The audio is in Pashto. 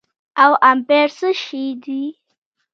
او امپير څه شي دي